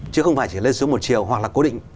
chứ không phải chỉ lên xuống một chiều hoặc là cố định